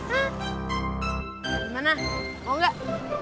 bagaimana mau gak